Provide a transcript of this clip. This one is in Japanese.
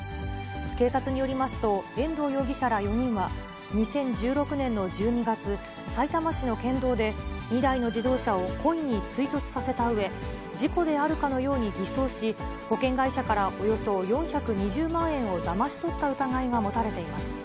警察によりますと、遠藤容疑者ら４人は、２０１６年の１２月、さいたま市の県道で、２台の自動車を故意に追突させたうえ、事故であるかのように偽装し、保険会社からおよそ４２０万円をだまし取った疑いが持たれています。